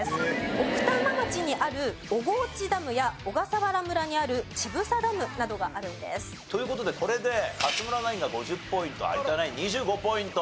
奥多摩町にある小河内ダムや小笠原村にある乳房ダムなどがあるんです。という事でこれで勝村ナインが５０ポイント有田ナイン２５ポイント。